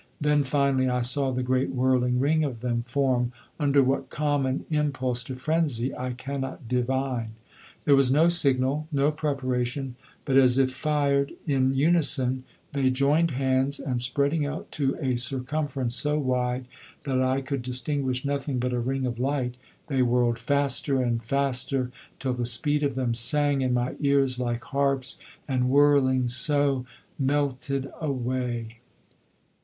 Then finally I saw the great whirling ring of them form under what common impulse to frenzy I cannot divine. There was no signal, no preparation, but as if fired in unison they joined hands, and spreading out to a circumference so wide that I could distinguish nothing but a ring of light, they whirled faster and faster till the speed of them sang in my ears like harps, and whirling so, melted away.